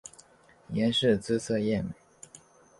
阎氏姿色艳美。